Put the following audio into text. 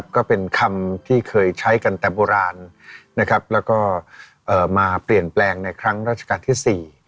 ก็เป็นคำที่เคยใช้กันแต่โบราณแล้วก็มาเปลี่ยนแปลงในครั้งราชการที่๔